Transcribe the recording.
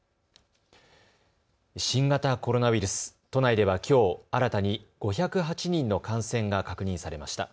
新型コロナウイルス、都内ではきょう新たに５０８人の感染が確認されました。